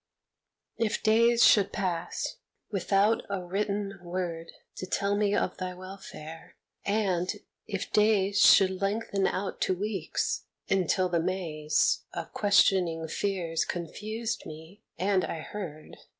If days should pass without a written word To tell me of thy welfare, and if days Should lengthen out to weeks, until the maze Of questioning fears confused me, and I heard.